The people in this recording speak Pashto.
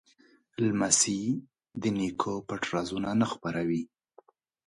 لمسی د نیکه پټ رازونه نه خپروي.